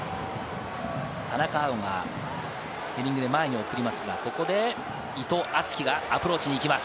田中碧がヘディングで前に送りますが、ここで伊藤敦樹がアプローチに行きます。